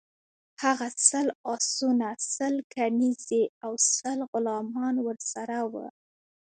هغه سل آسونه، سل کنیزي او سل غلامان ورسره وه.